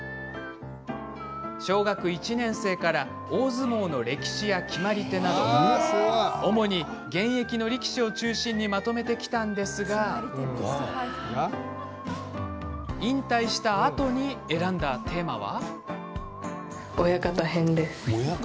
小学校１年生から大相撲の歴史や決まり手など主に現役の力士を中心にまとめてきたんですが引退したあとに選んだテーマは。